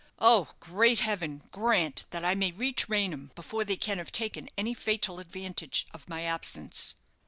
Oh, great heaven! grant that I may reach Raynham before they can have taken any fatal advantage of my absence."